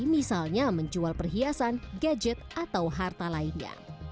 misalnya menjual perhiasan gadget atau harta lainnya